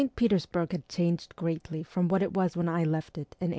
PETEBSBURG had changed greatly from what it was when I left it in 1862.